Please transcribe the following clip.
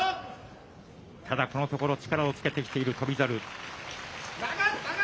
ただ、このところ、力をつけてきている翔猿。